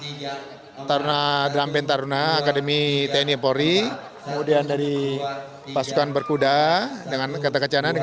peternakan pernaat akademik tenipory kemudian dari ikan berkuda dengan kana kan cintern